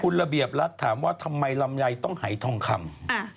คุณระเบียบรัฐถามว่าทำไมลำไยต้องหายทองคำ